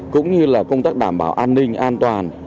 cũng như là công tác đảm bảo an ninh an toàn